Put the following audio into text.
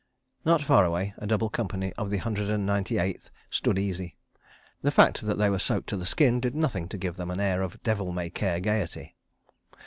... Not far away, a double company of the Hundred and Ninety Eighth "stood easy." The fact that they were soaked to the skin did nothing to give them an air of devil may care gaiety.